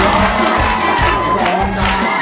ได้กัน